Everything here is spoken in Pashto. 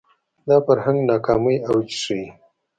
دا فرهنګ ناکامۍ اوج ښيي